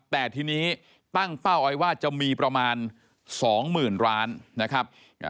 แต่ทีนี้ตั้งเป้าไว้ว่าจะมีประมาณสองหมื่นร้านนะครับ